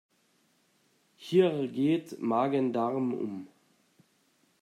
Hier geht Magen-Darm um.